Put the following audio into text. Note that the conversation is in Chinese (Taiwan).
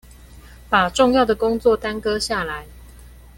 把重要的工作耽擱下來